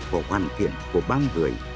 vào hoàn kiện của bao người